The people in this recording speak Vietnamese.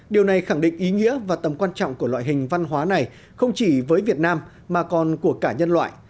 điều này khẳng định ý nghĩa và tầm quan trọng của loại hình văn hóa này không chỉ với việt nam mà còn của cả nhân loại